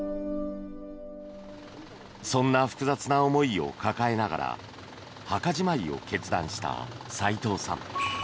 そんな複雑な思いを抱えながら墓じまいを決断した齋藤さん。